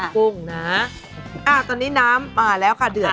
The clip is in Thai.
ผักมีทั้งเนื้อสาดเลย